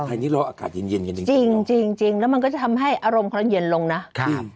นี้รออากาศเย็นเย็นกันจริงจริงจริงแล้วมันก็จะทำให้อารมณ์เขาเย็นลงนะครับ